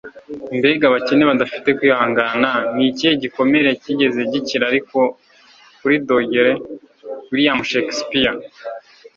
mbega abakene badafite kwihangana! ni ikihe gikomere cyigeze gikira ariko kuri dogere? - william shakespeare